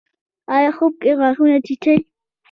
ایا خوب کې غاښونه چیچئ؟